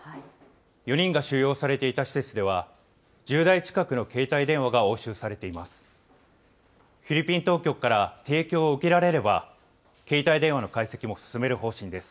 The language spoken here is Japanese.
４人が収容されていた施設では、１０台近くの携帯電話が押収されています。